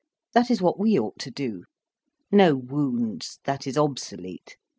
That is what we ought to do. No wounds, that is obsolete.